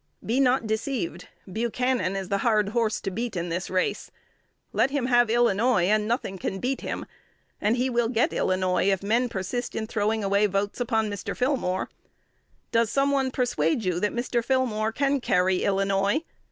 Be not deceived. Buchanan is the hard horse to beat in this race. Let him have Illinois, and nothing can beat him; and he will get Illinois if men persist in throwing away votes upon Mr. Fillmore. Does some one persuade you that Mr. Fillmore can carry Illinois?